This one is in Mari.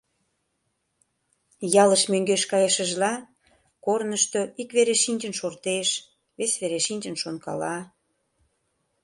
Ялыш мӧҥгеш кайышыжла, корнышто ик вере шинчын шортеш, вес вере шинчын шонкала...